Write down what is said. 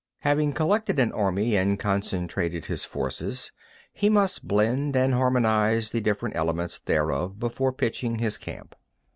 2. Having collected an army and concentrated his forces, he must blend and harmonise the different elements thereof before pitching his camp.